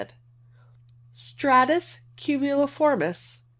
Stratus cumuliformis.